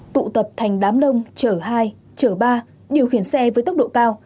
tụ tập thành đám đông chở hai chở ba điều khiển xe với tốc độ cao